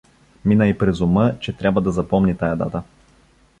Мина й през ума, че трябва да запомни тая дата.